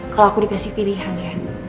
kalau aku dikasih pilihan ya